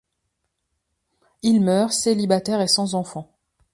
Il meurt célibataire et sans enfants.